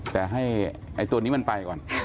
แต่ให้ไอ้ตัวนี้มันไปก่อน